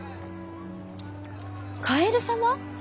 カエル様？